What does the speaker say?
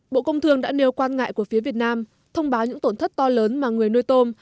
bộ công thương đã nêu quan ngại của phía việt nam thông báo những tổn thất to lớn mà người nuôi tôm